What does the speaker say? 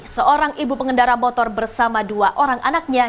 seorang ibu pengendara motor bersama dua orang anaknya